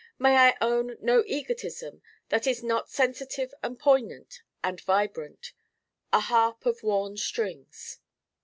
May I own no egotism that is not sensitive and poignant and vibrant: a harp of Worn Strings.